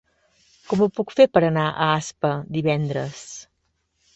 Com ho puc fer per anar a Aspa divendres?